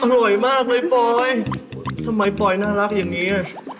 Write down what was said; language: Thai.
อร่อยมากเลยปอยทำไมปอยน่ารักอย่างนี้